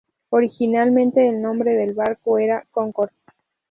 Originalmente el nombre del barco era "Concord".